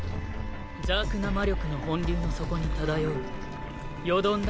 邪悪な魔力の奔流の底に漂うよどんだ